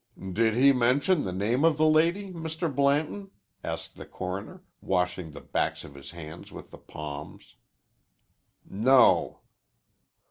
"Did he mention the name of the lady, Mr. Blanton?" asked the coroner, washing the backs of his hands with the palms. "No."